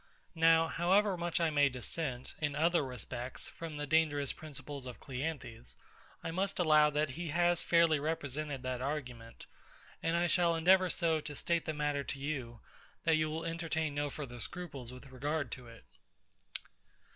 Now, however much I may dissent, in other respects, from the dangerous principles of CLEANTHES, I must allow that he has fairly represented that argument; and I shall endeavour so to state the matter to you, that you will entertain no further scruples with regard to it.